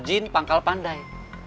rajin pangkal pandai